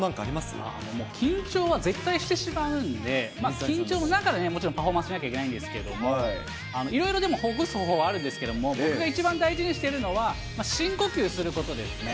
もう緊張は絶対してしまうんで、緊張の中でもちろんパフォーマンスしなきゃいけないんですけど、いろいろでもほぐす方法はあるんですけど、僕が一番大事にしているのは、深呼吸することですね。